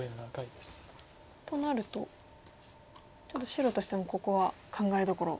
となるとちょっと白としてもここは考えどころ。